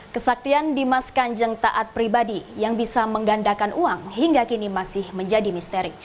kesaktian dimas kanjeng taat pribadi yang bisa menggandakan uang hingga kini masih menjadi misteri